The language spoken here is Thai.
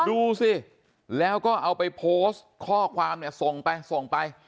ดูสิแล้วก็เอาไปโพสต์ข้อความส่งไป